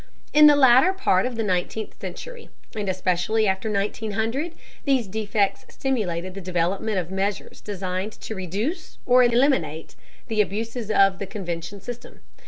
In the latter part of the nineteenth century, and especially after 1900, these defects stimulated the development of measures designed to reduce or eliminate the abuses of the convention system.